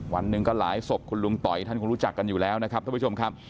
วันหนึ่งก็หลายศพคุณลุงต่อยท่านคงรู้จักกันอยู่แล้วนะครับท่านผู้ชมครับ